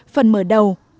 phần mở đầu